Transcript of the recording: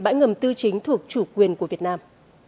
bãi ngầm tư chính thuộc chủ quyền của việt nam